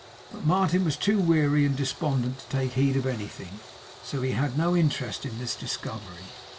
But Martin was too weary and despondent to take heed of anything, so had no interest in this discovery.